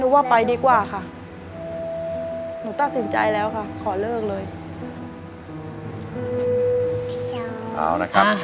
ตั้งสินใจแล้วค่ะขอเลิกเลย